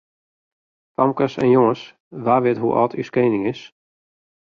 Famkes en jonges, wa wit hoe âld as ús kening is?